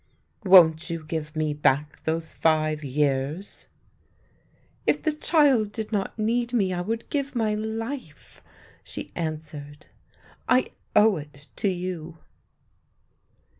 " Won't you give me back those five years ?"" If the child did not need me I would give my life," she answered. " I owe it to you."